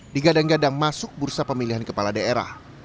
digadang gadang masuk bursa pemilihan kepala daerah